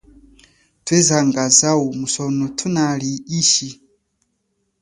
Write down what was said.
Thwezanga zawu musono thunali ishi.